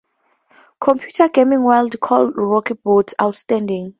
"Computer Gaming World" called "Rocky's Boots" "outstanding".